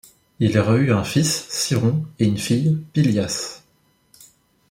Il aurait eu un fils, Sciron et une fille, Pylias.